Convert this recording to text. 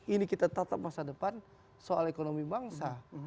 ini kita tetap masa depan soal ekonomi bangsa